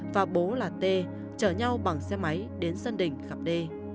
và bố là t chở nhau bằng xe máy đến sân đỉnh gặp đ